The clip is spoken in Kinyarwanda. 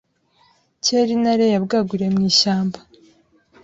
Kera intare yabwaguriye mu ishyamba